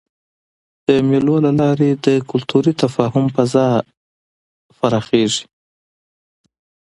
د مېلو له لاري د کلتوري تفاهم فضا پراخېږي.